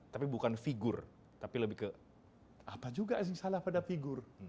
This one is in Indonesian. tapi bukan figur tapi lebih ke apa juga sih salah pada figur